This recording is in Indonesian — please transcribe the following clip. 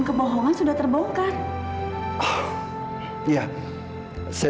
apabila sudah rp dive pj